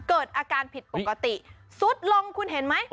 เกิดอาการผิดปกติซุดลงคุณเห็นไหม